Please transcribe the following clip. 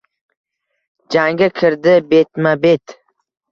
Jangga kirdi betma-bet.